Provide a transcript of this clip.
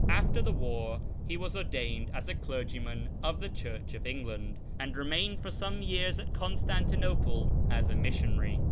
After the war he was ordained a clergyman of the Church of England, and remained for some years at Constantinople as a missionary.